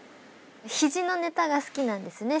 肘のネタが好きなんですね